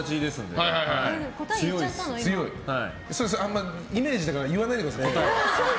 あんまイメージだから言わないでください。